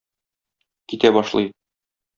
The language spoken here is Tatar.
Китә башлый.